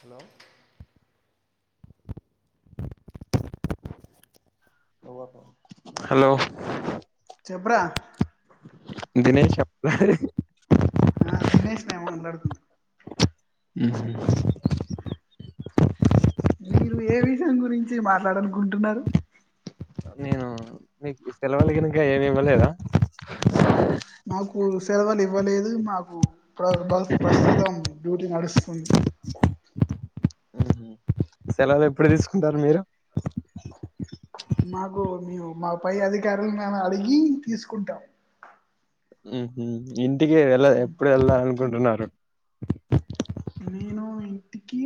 Hello [unintelligible] hello చెప్రా దినేష్ చెప్పరా అరేయ్ ఆ దినేష్ నే మాట్లాడుతుంది. ఉహూ మీరు ఏ విషయం గురించి మాట్లాడనుకుంటున్నారు నేను మీకు సెలవులగినక ఏమివ్వ లేదా మాకు సెలవులు ఇవ్వలేదు మాకు ప్ర ప్రస్తుతం డ్యూటీ నడుస్తుంది. సెలవులు ఎప్పుడు తీసుకుంటారు మీరు మాకు మే మా పై అధికారులు మేము అడిగి తీసుకుంటాం ఉహు ఇంటికి వెళ్ళ ఎప్పుడు వెళ్ళాల అనుకుంటున్నారు. నేను ఇంటికి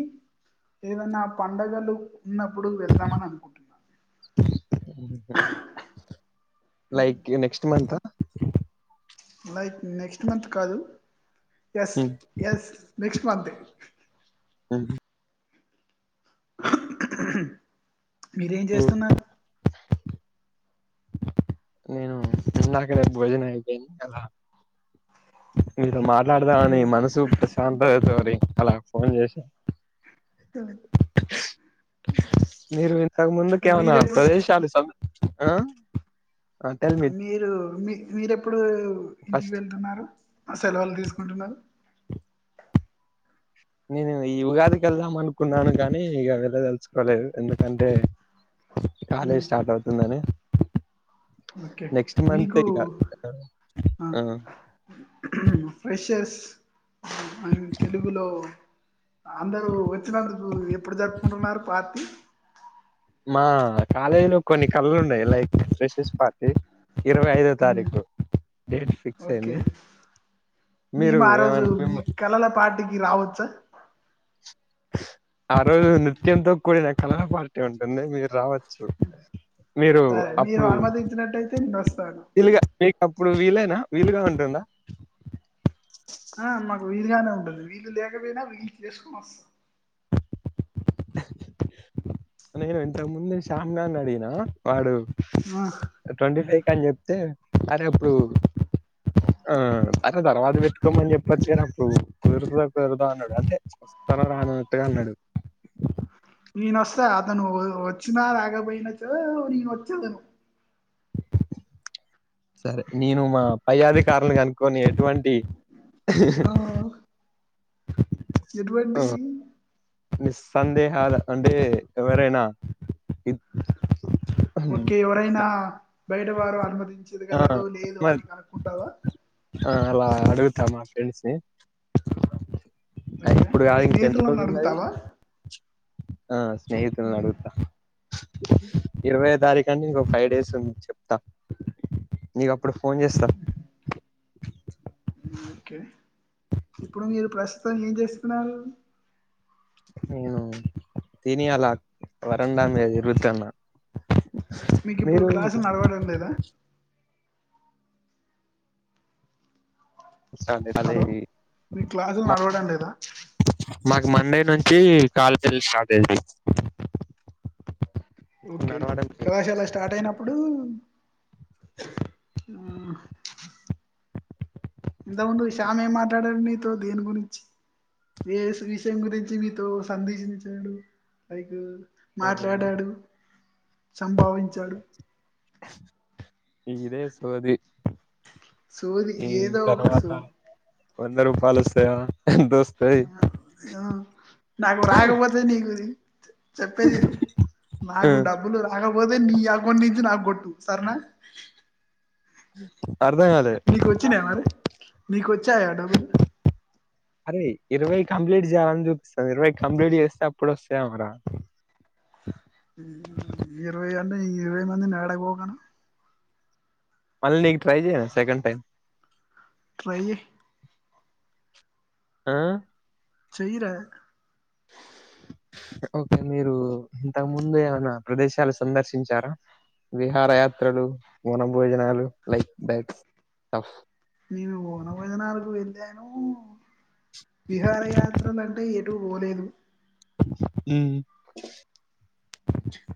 ఏదన్నా పండుగలు ఉన్నప్పుడు వెళ్దామని అనుకుంటున్నాను. లైక్ నెక్స్ట్ మంత్ ఆ లైక్ నెక్స్ట్ మంత్ కాదు ఎస్ ఎస్ నెక్స్ట్ మంత్ హ్మ్ మీరేం చేస్తున్నారు నేను ఇందాకడే భోజనం అయిపోయింది అలా మాట్లాడదామని మనసు ప్రశాంతగ అవుతాదని అలా ఫోన్ చేసా హ మీరు ఇంతకు ముందు కేవనా వతుంది మీరెప్పుడు శాల స మీరు మీ మీరెప్పుడు ఇంటికి ఫస్ట్ వెళ్తున్నారు సెలవులు తీసుకుంటున్నారు నేను ఈ ఉగాదికి వెళ్దాం అనుకున్నాను కాగానీ ఇక వెళ్ళదలుసుుకోలేదు ఎందుకంటే కాలేజ్ మ్మ్. స్టార్ట్ అవుతుందని ఓకే నెక్స్ట్ మంత్ మీకు ఇక హ ఆ ఫ్రెషస్ ఆయన తెలుగులో అందరుూ వచ్చినందుకు ఎప్పుడు జరుపుకుంటున్నారు పార్టీ మా కాలేజీలో కొన్ని కళ్లు ఉన్నాయి లైక్ ఫ్రెషెస్ పార్టీ ఇరవై ఐదో మ్మ్. తారీఖు డేట్ ఫిక్స్ ఓకే అయింది మీరు మేము ఆ రోజు మీ ఏమన్నా కళల పాటికి రావచ్చా ఆ రోజు నృత్యంతో కూడిన కళా పార్టీ ఉంటుంది మీరు రావచ్చు మీరు సరే మీరు అప్పుడు అనుమతించినట్టయితే నేను వస్తాను వీలుగా మీక అప్పుడు వీలనా వీలుగా ఉంటుందా ఆ మాకు వీలుగానే ఉంటది వీళ్లు లేకపోయినా వీళ్లుు చేసుకోని వస్తా నేను ఇంతకు ముందే శ్యామ్ గడిని అడిగిన వాడు ఆ ట్వంటీ ఫైవ్ అని చెప్తే అరే అప్పుడు ఆ అరే తర్వాత పెట్టుకోమని చెప్పొచ్చ అప్పుడు కుదురుతుందా కుదరదా అన్నాడు అదే తన రాను ఆనటుగా అన్నాడు నేన వస్తా అతను వ వచ్చినా రాకపోయినా చో నేను వచ్చేదను సరే నేను మా పై అధికారులు కనుకొని ఎటువంటి ఆ [unintelligible] ఆ ఎటువంటి నిస్సందేహాలు అంటే ఎవరైనా ఇ ఓకే ఎవరైనా బయట వారు అనుమతి ఆ చెదగలరో లేదో మరి అని కనుక్కుంటావా ఆ అలా అడుగుతా మా ఫ్రెండ్స్ ని అ ఓకే ఇప్పుడు మీ కాదు ఇంకెంన్ని స్నేహితులను రోజులు ఉన్నది అడుగుతావా ఆ స్నేహితులను అడుగుతా ఇరవై తారీఖు అంటే ఇంక ఒ ఫైవ్ డేస్ ఉంది చెప్తా నీకు అ ఇప్పుడు ఫోన్ చేస్తా ఓకే ఇప్పుడు మీరు ప్రస్తుతం ఏం చేస్తున్నారు నేను తిని అలా వరండా మీద తిరుగుతున్నా మీకు ఇప్పుడు మీరు క్లాసులు నడవడం లేదా స్టార్ట్ కాలే హలో ఇవి మీ క్లాసులు మా నడవడం లేదా మాకు మండే నుంచి కాలేజ్ స్టార్ట్ అయితయి ఓకే కళాశాల స్టార్ట్ అయినప్పుడు ఆ మాట్లాడను నీతో దేని గురించి ఏ విషయం గురించి మీతో సందేశించాడు లైక్ ఆ, మాట్లాడాడు సంభావించాడు ఇదే సోది సోది ఈ ఏదో ఒక సో తర్వాత వంద రూపాలు వస్తాయా ఎంత వస్త ఆ నాకు రాకపోతే నీకుది చెప్పేది విను ఆ, నాకు డబ్బులు రాక పోతే నీ అకౌంట్ నుంచి నాకు గొట్టు సరేనా అర్థం కాలే నీకు వచ్చినయ మరి నీకు వచ్చాయా డబ్బులు. అరేయ్ ఇరవై కంప్లీట్ చేయాలని చూపిస్తాంది ఇరవై కంప్లీట్ చేస్తే అప్పుడు వస్తాయి ఏమో రా ఇరవై అంటే ఇరవై మందిని యాడ గోకను మళ్ళీ నీకు ట్రై చేయన సెకండ్ టైం ట్రై చేయ్ ఆ చేయి రా ఓకే మీరు ఇంతకు ముందు ఏమన్నా ప్రదేశాలు సందర్శించారా విహార యాత్రలు, వన భోజనాలు లైక్ దట్ ఆఫ్ నో విహార యాత్రలంటే ఎటు పోలేదు. ఉమ్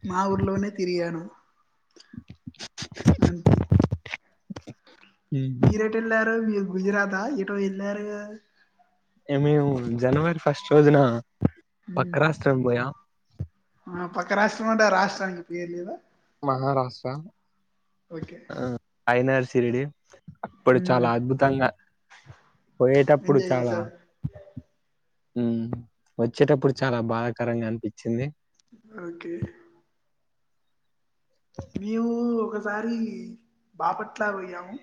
మా ఊర్లోనే తిరిగాను. అంతే మీరెటు ఎల్లారు మీరు గుజరాతా ఎటో ఎల్లారుగా మేము జనవరి ఫస్ట్ రోజున పక్క రాష్ట్రం పోయాం. ఆ పక్క రాష్ట్రం అంటే ఆ రాష్ట్రానికి పేర్ లేదా. మహారాష్ట్ర ఓకే అయినారు షిరిడీ అప్పుడు ఉమ్ చాలా అద్భుతంగా పోయేటప్పుడు ఎంజాయ్ చాలా చేసావ్ వచ్చేటప్పుడు చాలా బాధాకరంగా అనిపించింది ఓకే మేము ఒకసారి బాపట్లా పోయాము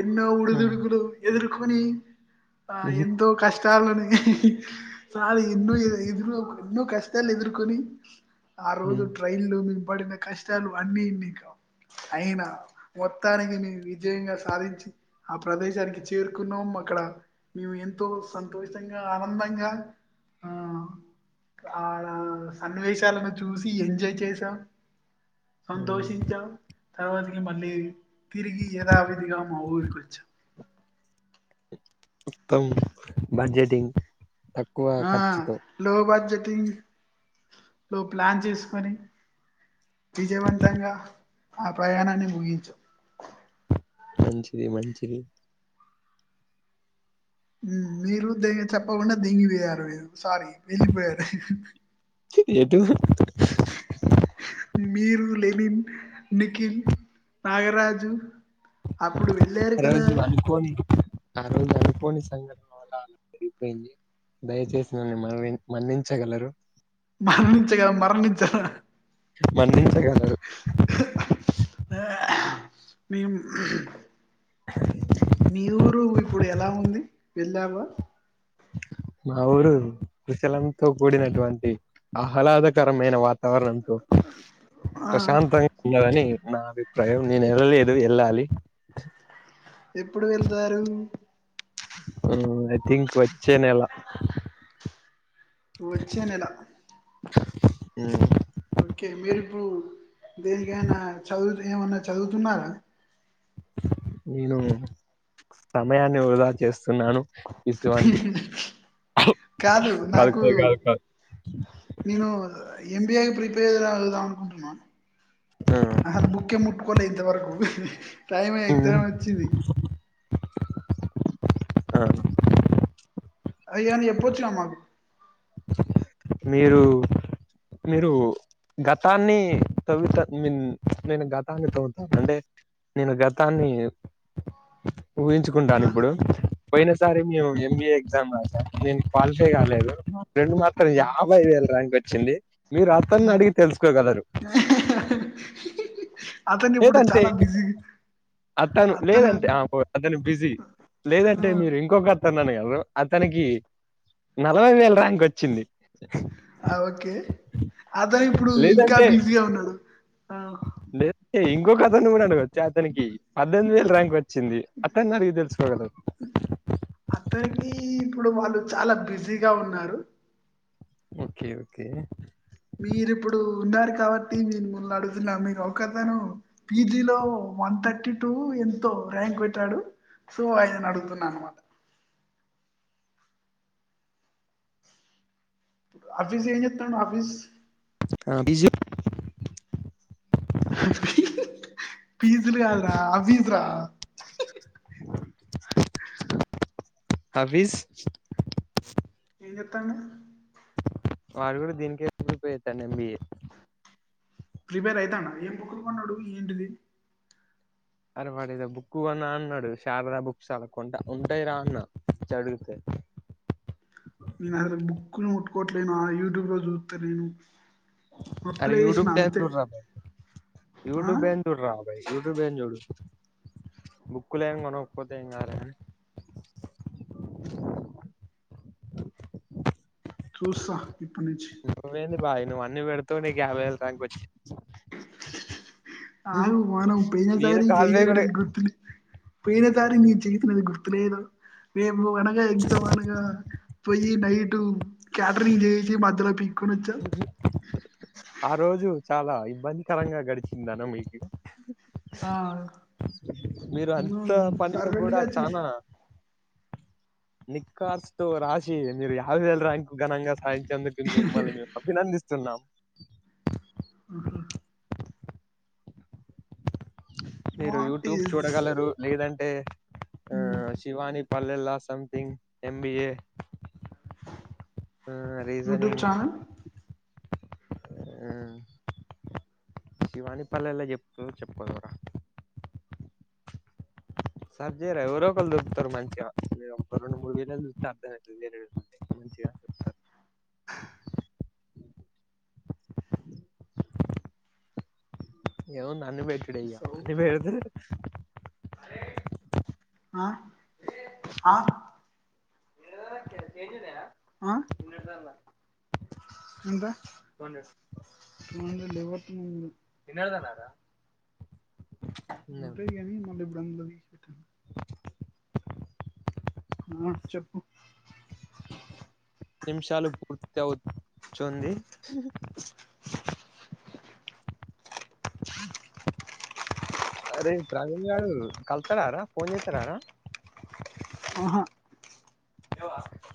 ఎన్నో ఉడుదుడుగులు ఎదుర్కొని ఆ హ్మ్. ఎంతో కష్ట లను కష్టాలు ఎన్నో ఎన్నో ఎన్నో కష్టాలు ఎదుర్కొని ఆ రోజు హ్మ్. ట్రైన్లో మేము పడిన కష్టాలు అన్నీ ఇన్ని కావు అయినా మొత్తానికి మేము విజయంగా సాధించి ఆ ప్రదేశానికి చేరుకున్నాము అక్కడ మేము ఎంతో సంతోషంగా ఆనందంగా ఆ ఆడ సన్నివేశాలను చూసి ఎంజాయ్ చేసాం హ్మ్. సంతోషించాం తర్వాతకి మళ్ళీ తిరిగి ఎదావిదిగా మా ఊరికి వచ్చాం మొత్తం బడ్జెటింగ్ తక్కువ ఆ ఖర్చుతో లో బడ్జెటింగ్ లో ప్లాన్ చేసుకొని విజయవంతంగా ఆ ప్రయానాన్ని ముగించాం మంచిది మంచిది ఉమ్ మీరు! ! ! ! ! ! ! ! ! ! చెప్పకుండా! ! ! ! ! ! ! ! ! ! పోయారు మీరు సారీ వెళ్ళిపోయారు చ్చి ఎటు మీరు లెనిన్ నిఖిల్ నాగరాజు అప్పుడు వెళ్ళారు ఆ కదా! రోజు అనుకోని ఆ రోజు అనుపోని సంఘటన వల్ల అలా పెరిగిపోయింది దయచేసి నన్ని మ మన్నించగలరు మన్నించ కదా మరణించా మన్నించగలరు మేము మీ ఊరు ఇప్పుడు ఎలా ఉంది వెళ్ళావా మా ఊరు విశలంతో కూడినటువంటి ఆహ్లాదకరమైన వార్త వాావరణంతో ఆ! ప్రశాంతంగా ఉండదని నా అభిప్రాయం నేను వెళ్ళలేదు వెళ్ళాలి ఎప్పుడు వెళ్తారు ఉ ఐ థింక్ వచ్చే నెల వచ్చే నెల హ్మ్. ఓకే మీరు ఇప్పుడు దేనికైనా చదువు ఏమన్నా చదువుతున్నారా నేను సమయాన్ని వృదా చెస్ తిన్నాను విశ్వాంటి కాదు నాకు నేను ఎంబిఏ ప్రిపేర్కుంటున్నా ఆ అహా బుకే ముట్కలే ఇంతవరకు టైమే ఉమ్, ఎగ్జామ్ వచ్చింది ఆ అయ్యది ఎప్ప వచ్చ నామాకు మీరు మీరు గతాన్ని త్వుత మీన్ నేను గతాన్ని తవ్వుతాను అంటే నేను గతాన్ని ఊహించుకుంటాను ఆ ఇప్పుడు పోయిన సరే మేము ఎంబీఏ ఎగ్జామ్ రాసాం నేను క్వాలిఫై కాలేదు రెండు మాత్రం ఓకే యాభై వేల ర్యాంక్ వచ్చింది మీరు అతన్ని అడిగి తెలుసుకోగలరు అతను ఇప్పుడు లేదంటే చాలా బిజీ అతను లేదంటే ఆ హో అతను బిజీ ఆ లేదంటే మీరు ఇంకొక అతన్ని అడగగలరు అతనికి నలభై వేల ర్యాంక్ వచ్చింది ఆ ఓకే అతను ఇప్పుడు ఇంకా బిజీగా ఉన్నాడు ఆ లేదు అంటే ఇంకొక అతన్ని కూడా అడగొచ్చు చ అతనికి పద్దెనిమిది వేల ర్యాంక్ వచ్చింది అతను అడిగి తెలుసుకోగలరు అతనికి ఇప్పుడు వాళ్ళు చాలా బిజీగా ఉన్నారు ఓకే ఓకే మీరు ఇప్పుడు ఉన్నారు కాబట్టి మీను మున్న అడుగుతున్నా మీరు ఒకతను పీజీలో వన్ థర్టీ టూ ఎంతో ర్యాంక్ కొట్టాడు సో ఆయిన అడుగుతున్నా అనమాట అభిస్ ఏం చెప్తున్నాడు అబీస్ అభిజు ఫీజలు కాదు రా అబిస్ రా అబీస్ ఏం చేతనవు వాారు కూడా దీనికే ప్రిపేర్ అయితాండు ఎంబీఏ ప్రిపేర్ అయితండా ఏం బుక్కులు కొన్నాడు ఏంటిది అరే వాడుదో బుక్ అన్నా అన్నాడు శారదా బుక్స్ చాల కొంట ఉంటాయి రా అన్న చదివితే బుక్కులు ముట్టుకోవట్లేను ఆ యూట్యూబ్ లో చూస్తా నేను అరే యూట్యూబ్ ట చూడు రా బాయ్ ఆ యూట్యూబ్ బెన్ జడ చూడు రా బై యూట్యూబ్ బెన్ చూడు బుక్కులేం కొనకపోతేాం ఏం కాదులే కానీ చూస్తా ఇప్పుడు నుంచి నువ్వేంది బాయ్ నువ్వు అన్ని వెడతావు నీకు యాభై వేల ర్యాంకవచ్చి ఆగు మనం పోయినసారి కూడా చేసినటుది గుర్తుండి పోయినసారి నీ చేతి నది గుర్తు లేదు మేము అనగా ఎగ్జామ్ అనగా పోయి నైటు క్యాటరింగ్ చేసి మధ్య టీ ఆ రోజు చాలా ఇబ్బందికరంగా గడిచిందన్న మీటింగ్ ఆ మీరు నువ్వు అంత పనిలో సర్వెంట్ కూడా గా చానా నిక్కార్స్ తో రాశి మీరు యాభై వేల ర్యాంకు ఘనంగా సాదిం అందుకు మిమ్మల్ని చేసి మేము అభినందిస్తున్నాం. మీరు వాట్ యూట్యూబ్ ఈస్ చూడగలరు. లేదంటే ఉ శివాని పల్లెళ్ళ సథింగ్ ఎంబీఏ ఊ యూట్యూబ్ రీజనింగ్ ఛానల్ మ్ శివాని పల్లెల్లో చెప్కు చెప్పుకుందువురా సర్జేహెయిరా ఎవరో ఒకరు దొరుకుతారు. మంచిగా మీరు ఒక రెండు మూడు వీడియో లు చుత్తే అర్థం అయితది వేరే వెట్టుకుంటే [inaudible] ఏముంది అన్ని వెట్టుడే ఇగ అన్ని సౌత్ వెడితే ఆ ఆ ఆ ఎంత మొన్నటిది ముందు లెవ్వకముందు ఉంటాయిగానీ మళ్ళ ఇప్పుడు అందులో తిషి పెట్టేలా ఆ చెప్పు పది నిమిషాలు పూర్తవు చుంది. అరే ప్రవీణ్ గాడు కలుతడారా ఫోన్ జెత్తడారా? ఆహా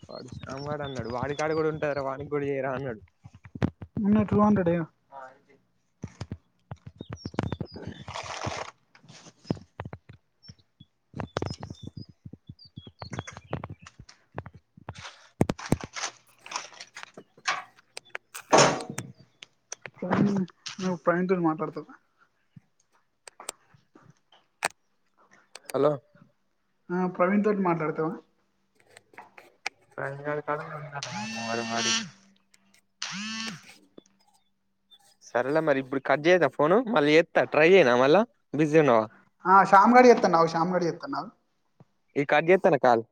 వాడు సామ్ గాడు అన్నాడు వాడి కాడ కూడా ఉంటదిరా వాని కూడా చేయరా అన్నాడు. మోన్న టూ హండ్రెడ్ ఏ నువ్ ప్రవీణ్ తోనీమాట్లాడుతున్నా హలో ఆ ప్రవీణ్ తోడి మాట్లాడతవా? ప్రవీణ్ గాడు కాలు [unintelligible] వాడికి సరేలే మరి ఇప్పుడు కట్ చేయన్నా ఫోన్ మళ్ళీ ఎత్తా ట్రై చేయనా మళ్ళా బిజీ ఉన్నావా? ఆ శామ్ గాడు ఎత్తండు ఆగు శ్యామ్ గడు ఎత్తండు అగు ఈ కాట్ జెత్తన్నా కాల్